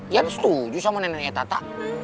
ya setuju sama neneknya tata